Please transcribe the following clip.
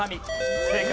正解。